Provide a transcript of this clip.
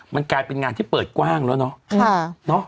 มันกลายเป็นงานที่เปิดกว้างแล้วเนาะ